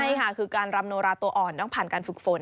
ใช่ค่ะคือการรำโนราตัวอ่อนต้องผ่านการฝึกฝน